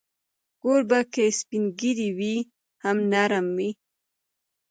کوربه که سپین ږیری وي، هم نرم وي.